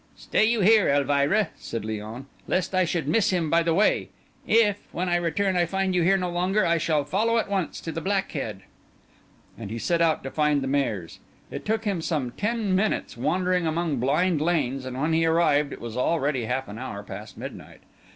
"Stay you here, Elvira," said Léon, "lest I should miss him by the way. If, when I return, I find you here no longer, I shall follow at once to the Black Head." And he set out to find the Maire's. It took him some ten minutes wandering among blind lanes, and when he arrived it was already half an hour past midnight.